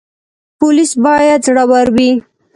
پولیس باید زړور وي